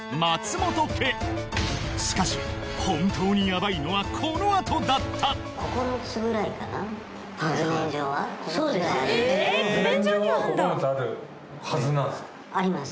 しかし本当にヤバいのはこのあとだったあります